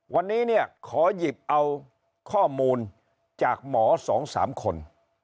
วันนี้ขอยิบเอาข้อมูลจากหมอสองสามคน